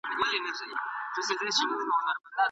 ايا سياستوال اقتصادي ستونزو ته د حل لارې لټوي؟